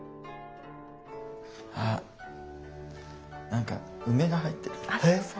あなんか梅が入ってる。